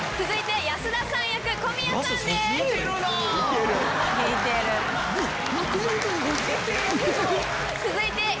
続いて。